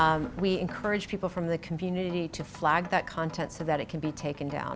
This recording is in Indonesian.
kami memberi keuangan kepada orang orang dari komunitas untuk menandai konten tersebut agar bisa dihapus